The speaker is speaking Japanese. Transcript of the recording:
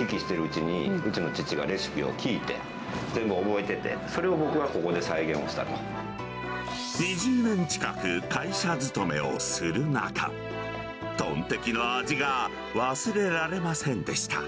それで行き来しているうちに、うちの父がレシピを聞いて、それを覚えて、それを僕がここで２０年近く会社勤めをする中、トンテキの味が忘れられませんでした。